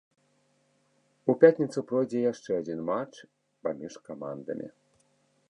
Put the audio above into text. У пятніцу пройдзе яшчэ адзін матч паміж камандамі.